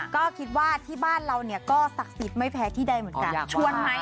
ก็คิดว่าที่บ้านเราเนี่ยก็ศักดิ์สิทธิ์ไม่แพ้ที่ใดเหมือนกัน